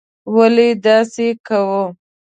ولې داسې کوو.